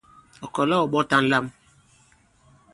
Ɔ̀ kɔ̀la ɔ̀ ɓɔ̀ta ǹlam.